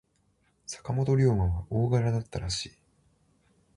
坂本龍馬は大柄だったらしい。